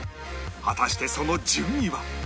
果たしてその順位は？